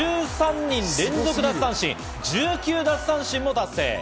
１３人連続奪三振、１９奪三振を達成。